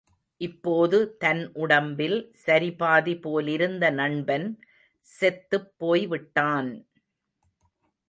இப்போது தன் உடம்பில் சரிபாதி போலிருந்த நண்பன் செத்துப் போய்விட்டான்!